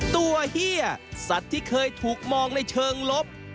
เฮียสัตว์ที่เคยถูกมองในเชิงลบ